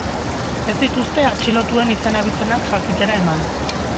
Ez dituzte atxilotuen izen-abizenak jakitera eman.